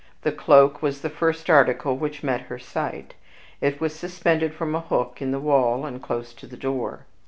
The cloak was the first article which met her sight; it was suspended from a hook in the wall, and close to the door.